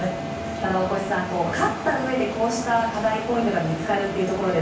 ただ、大越さん勝ったうえでこうした課題ポイントが見つかるというところで